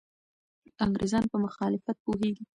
انګریزان په مخالفت پوهېږي.